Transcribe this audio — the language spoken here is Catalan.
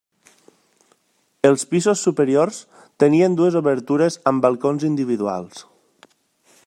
Els pisos superiors tenien dues obertures amb balcons individuals.